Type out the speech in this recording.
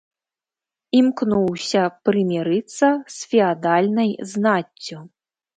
Імкнуўся прымірыцца з феадальнай знаццю.